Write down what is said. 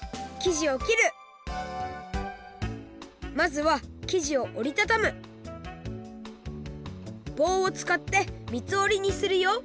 まずは生地をおりたたむぼうをつかってみつおりにするよ